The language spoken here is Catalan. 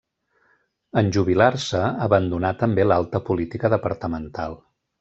En jubilar-se, abandonà també l'alta política departamental.